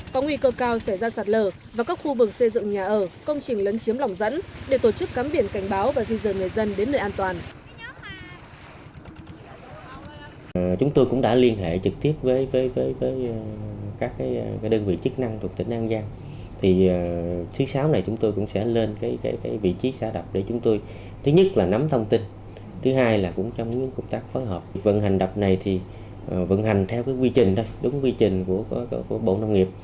có nguy cơ cao sẽ ra sạt lở và các khu vực xây dựng nhà ở công trình lấn chiếm lỏng dẫn để tổ chức cắm biển cảnh báo và di dời người dân đến nơi an toàn